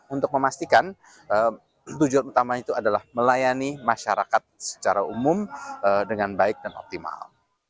untuk memastikan tujuan utama itu adalah melayani masyarakat secara umum dengan baik dan optimal